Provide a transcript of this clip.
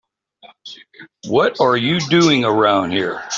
What are you doing around here?